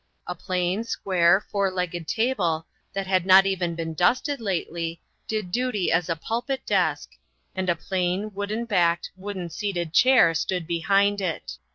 A plain, square, four legged table, that had not even been dusted lately, did duty as a pulpit desk, and a plain, wooden backed, wooden seated chair stood behind it.